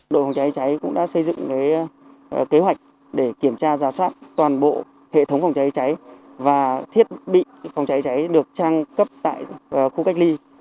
đội phòng cháy cháy cũng đã xây dựng kế hoạch để kiểm tra giả soát toàn bộ hệ thống phòng cháy cháy và thiết bị phòng cháy cháy được trang cấp tại khu cách ly